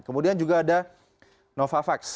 kemudian juga ada novavax